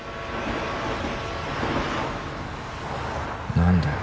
何だよ